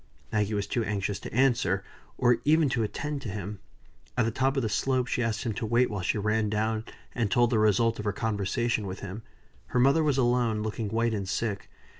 Maggie was too anxious to answer, or even to attend to him. At the top of the slope she asked him to wait while she ran down and told the result of her conversation with him. Her mother was alone, looking white and sick.